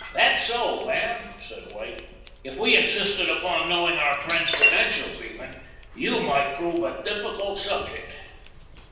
"That's so, Van," said White; "if we insisted upon knowing our friends' credentials even, you might prove a difficult subject."